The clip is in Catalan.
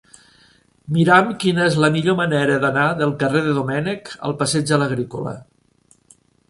Mira'm quina és la millor manera d'anar del carrer de Domènech al passeig de l'Agrícola.